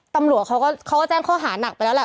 ตำรวจเขาก็แจ้งข้อหานักไปแล้วแหละ